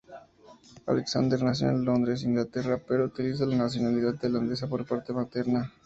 Alexander nació en Londres, Inglaterra, pero utiliza la nacionalidad tailandesa por parte materna.